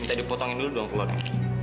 minta dipotongin dulu dong keluarga